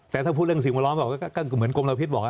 แต่ถ้าพูดเรื่องสิ่งแวดล้อมบอกก็เหมือนกรมเราพิษบอก